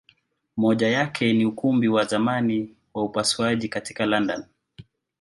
Moja yake ni Ukumbi wa zamani wa upasuaji katika London.